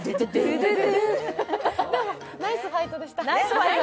でもナイスファイトでした。